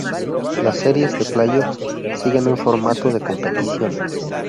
Las series de playoffs siguen un formato de competición.